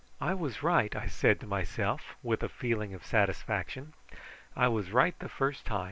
"I was right," I said to myself with a feeling of satisfaction. "I was right the first time.